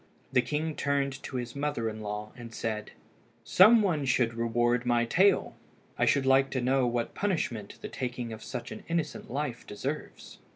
The king turned to his mother in law, and said "Some one should reward my tale. I should like to know what punishment the taking of such an innocent life deserves."